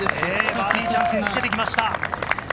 バーディーチャンスにつけてきました。